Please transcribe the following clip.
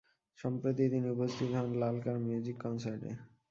সম্প্রতি তিনি উপস্থিত হন লালকার মিউজিক কনসার্টে।